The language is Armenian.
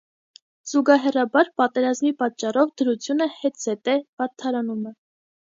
Զուգահեռաբար, պատերազմի պատճառով դրությունը հետզհետե վատթարանում է։